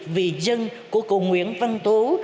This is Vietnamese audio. vì dân của cụ nguyễn văn tố